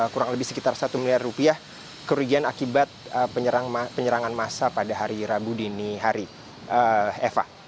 kurang lebih sekitar satu miliar rupiah kerugian akibat penyerangan massa pada hari rabu dini hari eva